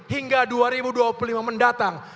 hingga dua ribu dua puluh lima mendatang